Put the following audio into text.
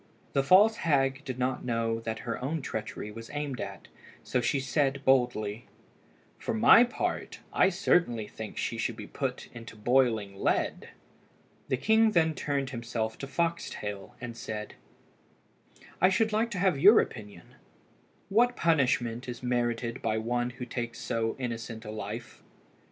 The false hag did not know that her own treachery was aimed at, so she said boldly "For my part, I certainly think she should be put into boiling lead." The king then turned himself to Foxtail, and said "I should like to have your opinion; what punishment is merited by one who takes so innocent a life?"